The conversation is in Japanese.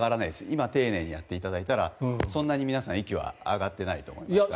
今、丁寧にやっていただいたらそんなに皆さん息は上がっていないと思いますから。